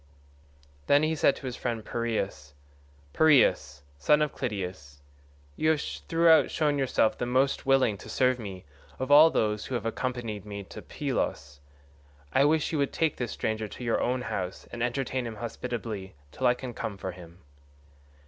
Then he said to his friend Piraeus, "Piraeus, son of Clytius, you have throughout shown yourself the most willing to serve me of all those who have accompanied me to Pylos; I wish you would take this stranger to your own house and entertain him hospitably till I can come for him."